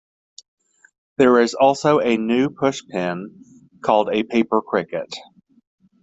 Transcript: There is also a new push pin called a "paper cricket".